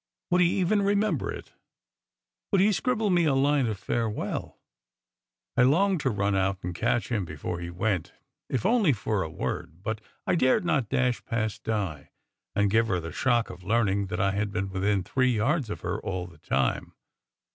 Would he even remember it? Would he scribble me a line of farewell? I longed to run out and catch him before he went, if only for a word, but I dared not dash past Di, and give her the shock of learning that I had been within three yards of her all the time.